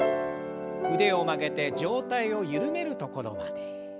腕を曲げて上体を緩めるところまで。